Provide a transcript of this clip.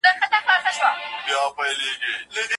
ایا ته د دې رومان په اړه له خپلو دوستانو سره بحث کوې؟